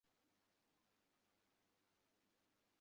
শশী কড়াসুরে বলিল, আমি সেনদিদির চিকিৎসার ভার নিলাম ঠাকুরদা।